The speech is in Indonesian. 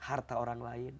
harta orang lain